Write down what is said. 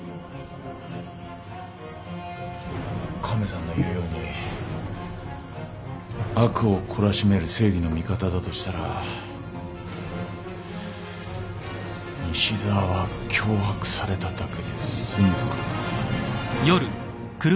カメさんの言うように悪を懲らしめる正義の味方だとしたら西沢は脅迫されただけで済むかな？